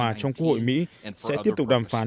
các nhà cung cấp dịch vụ lưu trữ sẽ tiếp tục đàm phán